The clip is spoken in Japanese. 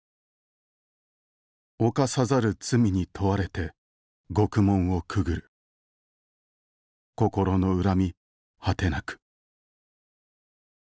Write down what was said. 「犯さざる罪に問われて獄門をくぐる心の恨み果てなく」